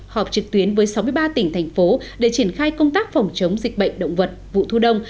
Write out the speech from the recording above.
họp trực tuyến với sáu mươi ba tỉnh thành phố để triển khai công tác phòng chống dịch bệnh động vật vụ thu đông